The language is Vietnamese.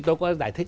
tôi có giải thích